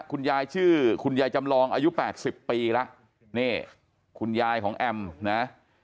คุณยายชื่อคุณยายจำลองอายุ๘๐ปีแล้วนี่คุณยายของแอมนะ